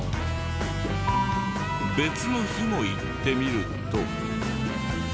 別の日も行ってみると。